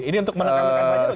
ini untuk menekan nekan saja